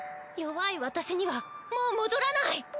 弱い私にはもう戻らない！